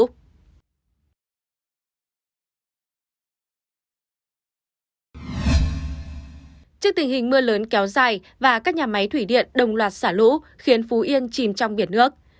trước tình hình mưa lớn kéo dài và các nhà máy thủy điện đồng loạt xả lũ khiến phú yên chìm trong biển nước